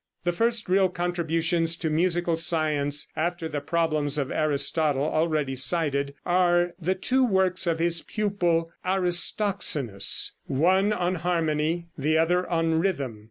The first real contributions to musical science after the Problems of Aristotle, already cited, are the two works of his pupil Aristoxenus one on harmony, the other on rhythm.